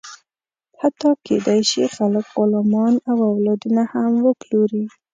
حتی کېدی شي، خلک غلامان او اولادونه هم وپلوري.